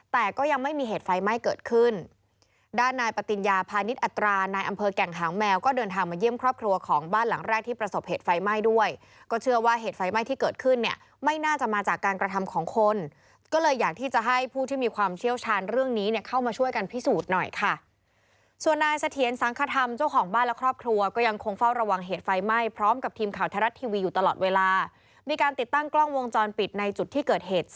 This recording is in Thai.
แต่ก็ยังไม่มีเหตุไฟไหม้เกิดขึ้นด้านนายปติญญาพาณิชย์อัตรานายอำเภอแก่งหางแมวก็เดินทางมาเยี่ยมครอบครัวของบ้านหลังแรกที่ประสบเหตุไฟไหม้ด้วยก็เชื่อว่าเหตุไฟไหม้ที่เกิดขึ้นเนี้ยไม่น่าจะมาจากการกระทำของคนก็เลยอยากที่จะให้ผู้ที่มีความเชี่ยวชาญเรื่องนี้เนี้ยเข้ามาช่วยกันพิสูจน์หน่อยค่